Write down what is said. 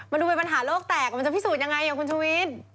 มันดูเป็นปัญหาโลกแตกมันจะพิสูจน์ยังไงคุณชุวิต